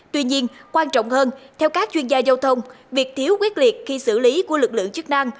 tuy nhiên quan trọng hơn theo các chuyên gia giao thông việc thiếu quyết liệt khi xử lý của lực lượng chức năng